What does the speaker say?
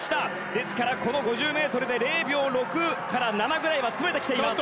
ですから、この５０ｍで０秒６から７ぐらいは詰めてきています。